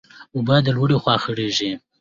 اوبه د لوړي خوا خړېږي.